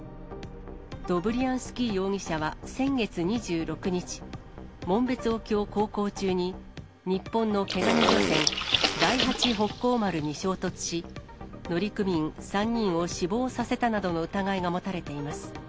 ドブリアンスキー容疑者は先月２６日、紋別沖を航行中に、日本の毛ガニ漁船、第八北幸丸に衝突し、乗組員３人を死亡させたなどの疑いが持たれています。